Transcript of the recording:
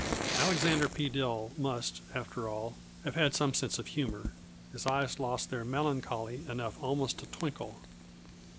Alexander P. Dill must, after all, have had some sense of humor; his eyes lost their melancholy enough almost to twinkle.